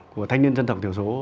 của thanh niên dân tộc thiểu số